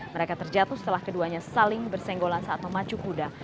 mereka terjatuh setelah keduanya saling bersenggolan saat memacu kuda